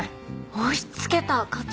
押しつけた課長。